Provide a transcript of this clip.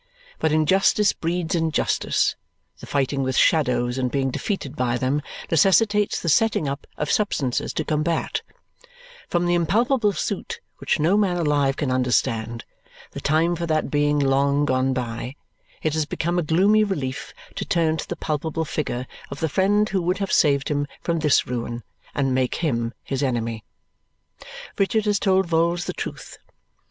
But injustice breeds injustice; the fighting with shadows and being defeated by them necessitates the setting up of substances to combat; from the impalpable suit which no man alive can understand, the time for that being long gone by, it has become a gloomy relief to turn to the palpable figure of the friend who would have saved him from this ruin and make HIM his enemy. Richard has told Vholes the truth.